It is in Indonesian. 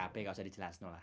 bisa dicelasin lah